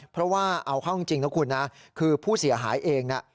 เพราะว่าเอาเข้าจริงนะคุณนะคือผู้เสียหายเองนะ